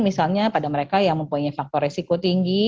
misalnya pada mereka yang mempunyai faktor resiko tinggi